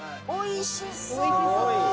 おいしい。